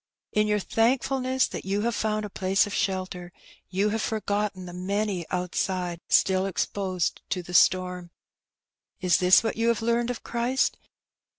In your thank fulness that you have found a place of shelter^ you have forgotten the many outside still exposed to the storm. Is this what you have learnt of Christ?